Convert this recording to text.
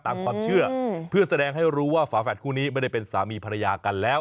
ตามความเชื่อเพื่อแสดงให้รู้ว่าฝาแฝดคู่นี้ไม่ได้เป็นสามีภรรยากันแล้ว